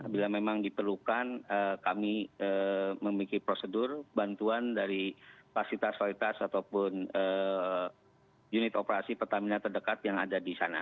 bila memang diperlukan kami memiliki prosedur bantuan dari fasilitas fasilitas ataupun unit operasi pertamina terdekat yang ada di sana